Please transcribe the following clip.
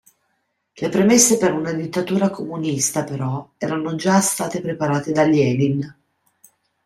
Le premesse per una dittatura comunista però erano già state preparate da Lenin.